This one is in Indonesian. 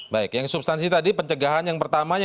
baik yang substansi tadi pencegahan yang pertama